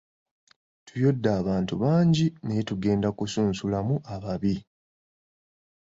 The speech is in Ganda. Tuyodde abantu bangi naye tugenda kusunsulamu ababi.